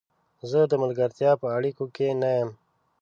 زه د ملګرتیا په اړیکو کې نه یم.